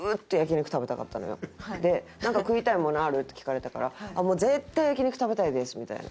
なんか食いたいものある？って聞かれたから絶対焼肉食べたいですみたいな。